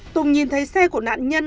tùng nhìn thấy xe của nạn nhân